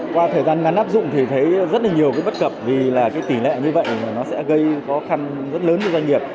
qua thời gian nắm áp dụng thì thấy rất nhiều bất cập vì tỷ lệ như vậy sẽ gây khó khăn rất lớn cho doanh nghiệp